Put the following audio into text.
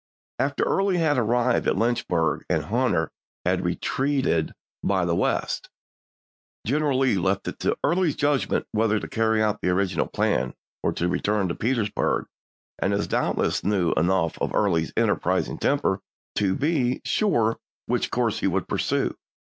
After Early had arrived at Lynchburg and Hunter had retreated by the West, General Lee left it to Early's judgment whether to carry out the original plan or to return to Petersburg, and he doubtless knew enough of Early's enterprising temper to be sure which course he would pursue.